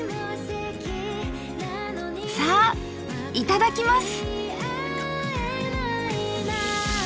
さあいただきます！